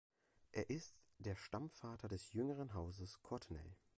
Er ist der Stammvater des jüngeren Hauses Courtenay.